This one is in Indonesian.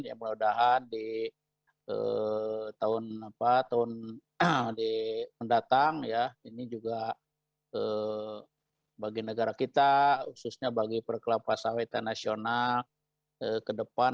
yang mudah mudahan di tahun mendatang ini juga bagi negara kita khususnya bagi perkelapa sawit internasional ke depan